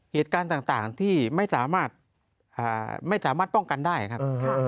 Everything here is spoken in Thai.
เหตุการณ์ต่างที่ไม่สามารถป้องกันได้ครับ